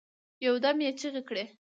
یو دم یې چیغي کړې